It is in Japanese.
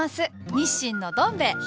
日清のどん兵衛東？